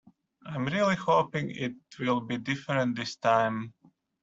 I'm really hoping it will be different this time.